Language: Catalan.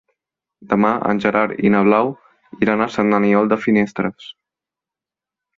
Demà en Gerard i na Blau iran a Sant Aniol de Finestres.